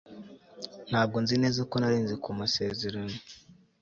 ntabwo nzi neza ko narenze ku masezerano